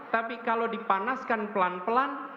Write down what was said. tapi kalau dipanaskan pelan pelan